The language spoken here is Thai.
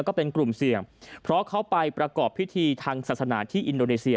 ก็เป็นกลุ่มเสี่ยงเพราะเขาไปประกอบพิธีทางศาสนาที่อินโดนีเซีย